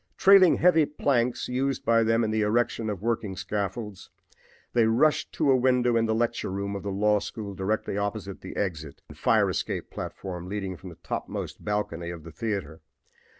Trailing heavy planks used by them in the erection of working scaffolds, they rushed to a window in the lecture room of the law school directly opposite the exit and fire escape platform leading from the topmost balcony of the theater.